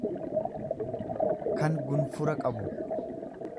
kan gunfura qabu.